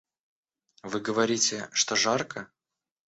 Вы говорите, что жарко?